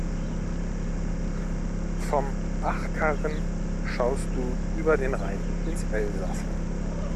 Vom Achkarren schaust du über den Rhein ins Elsaß.